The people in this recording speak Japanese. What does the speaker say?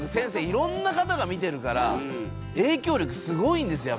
いろんな方が見てるから影響力すごいんですよ